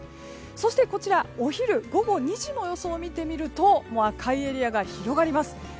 そして、お昼午後２時の予想を見てみるともう赤いエリアが広がります。